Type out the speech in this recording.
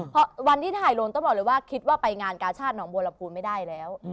เพราะวันที่ถ่ายลงต้องบอกเลยว่าคิดว่าไปงานกาชาติหนองบัวลำพูนไม่ได้แล้ว